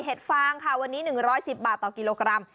ฟางค่ะวันนี้๑๑๐บาทต่อกิโลกรัม